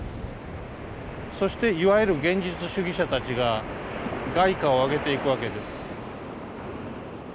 そしていわゆる現実主義者たちが凱歌を上げていくわけです。